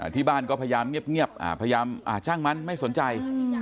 ที่บ้านก็พยายามเงียบพยายามช่างมันไม่สนใจ